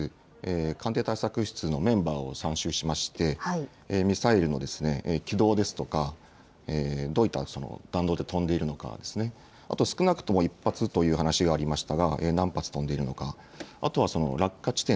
官邸対策室のメンバーを参集しましてミサイルの軌道ですとかどういった弾道で飛んでいるのか少なくとも１発という話がありましたが何発飛んでいるのか、あとは落下地点